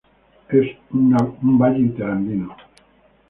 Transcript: Es una valle interandino.